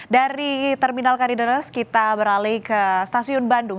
dari terminal kalideres kita beralih ke stasiun bandung